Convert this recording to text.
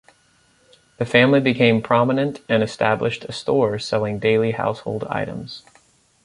The family became prominent and established a store selling daily household items.